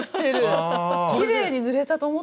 きれいに塗れたと思ったのに？